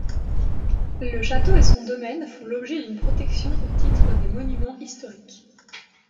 Le château et son domaine font l'objet d'une protection au titre des monuments historiques.